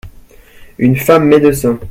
Une femme médecin.